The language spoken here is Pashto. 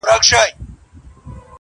o کوږ بار تر منزله نه رسېږي ٫